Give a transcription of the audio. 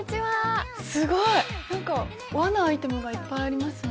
すごい何か和なアイテムがいっぱいありますね。